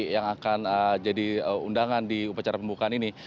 yang akan jadi undang undang di stadion gelora bandung lautan api